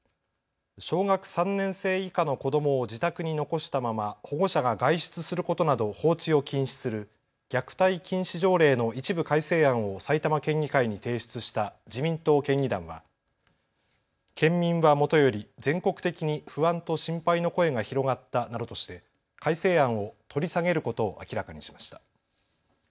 小学３年生以下の子どもを自宅に残したまま保護者が外出することなど放置を禁止する虐待禁止条例の一部改正案を埼玉県議会に提出した自民党県議団は県民はもとより全国的に不安と心配の声が広がったなどとして改正案を取り下げることを明らかにしました。